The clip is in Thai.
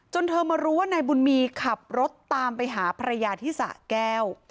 เธอมารู้ว่านายบุญมีขับรถตามไปหาภรรยาที่สะแก้ว